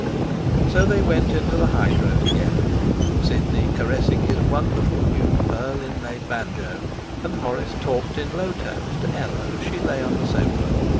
So they went into the hydro together, Sidney caressing his wonderful new pearl inlaid banjo; and Horace talked in low tones to Ella as she lay on the sofa.